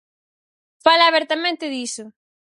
Fala abertamente diso.